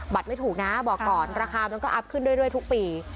บัตรไม่ถูกนะบอกก่อนราคามันก็อัพขึ้นด้วยด้วยทุกปี